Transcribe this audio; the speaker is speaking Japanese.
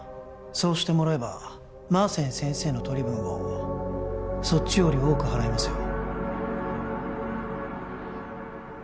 そうしてもらえば馬森先生の取り分をそっちより多く払いますよ